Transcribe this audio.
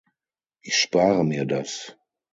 Ich spare mir das.